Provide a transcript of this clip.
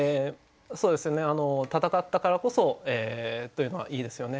戦ったからこそというのはいいですよね。